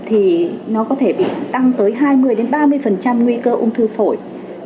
thì nó có thể bị tăng tới hai mươi ba mươi nguy cơ ung thư phổi